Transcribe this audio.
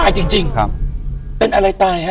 อยู่ที่แม่ศรีวิรัยยิลครับ